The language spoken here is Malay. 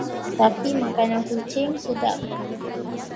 Tapi, makanan kucing sedap.